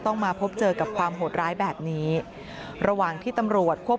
มาพบเจอกับความโหดร้ายแบบนี้ระหว่างที่ตำรวจควบ